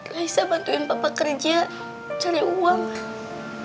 risa bantuin papa kerja cari uang enggak sayang enggak mau kamu harus tetap kuliah allah sudah